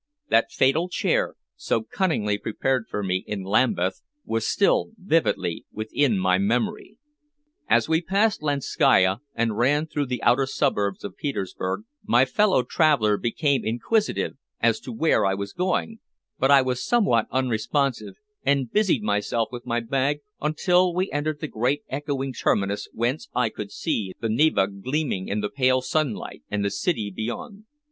That fatal chair so cunningly prepared for me in Lambeth was still vividly within my memory. As we passed Lanskaya, and ran through the outer suburbs of Petersburg, my fellow traveler became inquisitive as to where I was going, but I was somewhat unresponsive, and busied myself with my bag until we entered the great echoing terminus whence I could see the Neva gleaming in the pale sunlight and the city beyond.